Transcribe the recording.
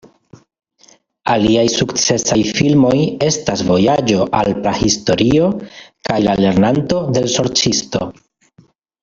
Aliaj sukcesaj filmoj estas "Vojaĝo al Prahistorio" kaj "La Lernanto de l' Sorĉisto"